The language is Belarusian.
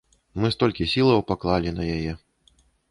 Мы столькі сілаў паклалі на яе.